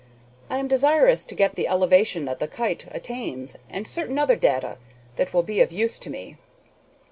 I am desirous to get the elevation that the kite attains and certain other data that will be of use to me.